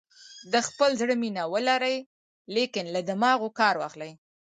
د خپل زړه مینه ولرئ لیکن له دماغو کار واخلئ.